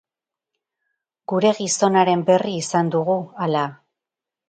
Gure Gizonaren berri izan dugu, ala?